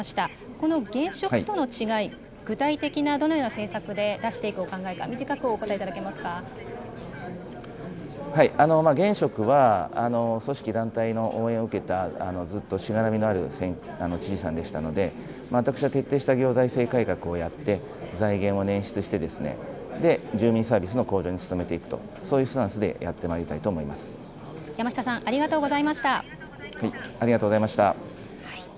この現職との違い、具体的に、どのような政策で出していくお考えか、現職は、組織、団体の応援を受けた、ずっとしがらみのある知事さんでしたので、私は徹底した行財政改革をやって、財源を捻出して、住民サービスの向上に努めていくと、そういうスタンスでやってま山下さん、ありがとうございありがとうございました。